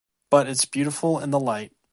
But it’s beautiful in the light.